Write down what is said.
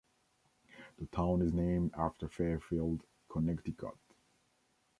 The town is named after Fairfield, Connecticut.